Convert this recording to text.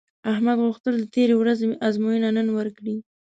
احمد غوښتل د تېرې ورځې ازموینه نن ورکړي